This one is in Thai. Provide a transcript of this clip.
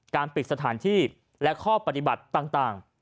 ปิดสถานที่และข้อปฏิบัติต่าง